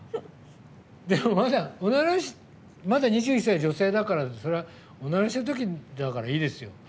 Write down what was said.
でも、まだ２１歳女性だからそれは、おならしてる時だからいいですよ。